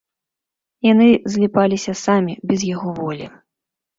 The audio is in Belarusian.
Яны зліпаліся самі, без яго волі.